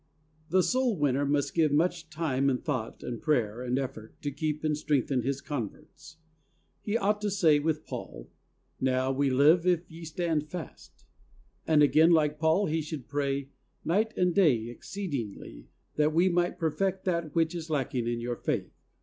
The soul winner must give much time and thought and prayer and effort to keep and strengthen his converts. He ought to say with Paul, "Now we live if ye stand fast," and again like Paul he should pray "night and day exceedingly that we might perfect that which is lacking in your faith."